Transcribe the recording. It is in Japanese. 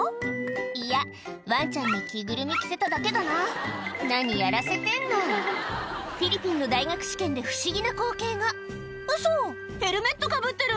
いやワンちゃんに着ぐるみ着せただけだな何やらせてんのフィリピンの大学試験で不思議な光景がウソヘルメットかぶってる！